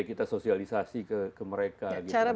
kita sosialisasi ke mereka